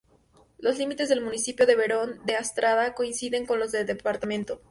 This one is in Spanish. Los límites del municipio de Berón de Astrada coinciden con los del departamento.